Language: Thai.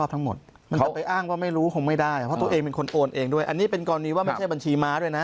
ถูกหลอกใช้บัญชี